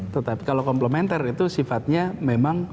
tetapi kalau komplementer itu sifatnya memang